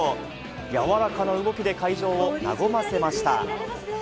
柔らかな動きで会場を和ませました。